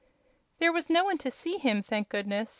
There was no one to see him, thank goodness!